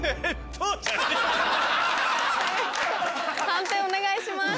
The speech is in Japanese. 判定お願いします。